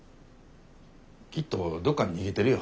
きっとどっかに逃げてるよ。